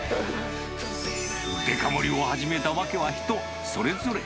デカ盛りを始めた訳は人それぞれ。